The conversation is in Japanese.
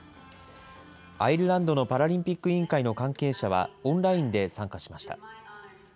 アイルランドのパラリンピック委員会の関係者は、オンラインで参加しました。